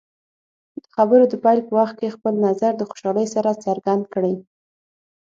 د خبرو د پیل په وخت کې خپل نظر د خوشحالۍ سره څرګند کړئ.